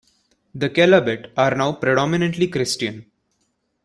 The Kelabit are now predominantly Christian.